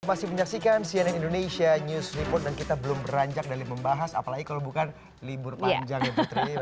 masih menyaksikan cnn indonesia news report dan kita belum beranjak dari membahas apalagi kalau bukan libur panjang ya putri